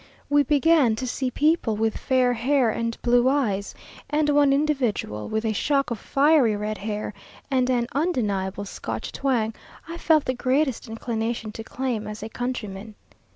We began to see people with fair hair and blue eyes, and one individual, with a shock of fiery red hair and an undeniable Scotch twang, I felt the greatest inclination to claim as a countryman.